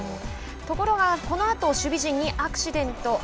ところがこのあと守備陣にアクシデント。